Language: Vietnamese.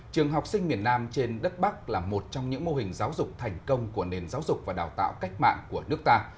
trường học sinh miền nam trên đất bắc là một trong những mô hình giáo dục thành công của nền giáo dục và đào tạo cách mạng của nước ta